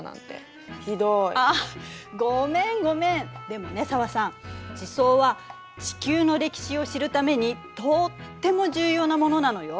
でもね紗和さん地層は地球の歴史を知るためにとっても重要なものなのよ。